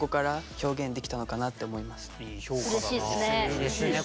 うれしいっすね。